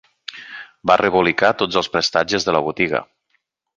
Va rebolicar tots els prestatges de la botiga.